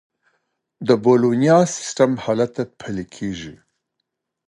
د بولونیا سیستم هلته پلي کیږي.